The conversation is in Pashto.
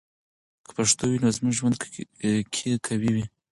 که پښتو وي، نو زموږ ژوند کې قوی وي.